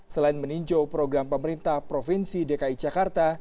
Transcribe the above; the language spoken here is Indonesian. selain meninjau program pemerintah provinsi dki jakarta